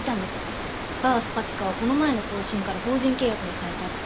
ＢＡＲＳｐｈａｔｉｋａはこの前の更新から法人契約に変えたって。